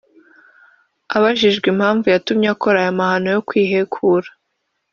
Abajijwe impamvu yatumye akora aya mahano yo kwihekura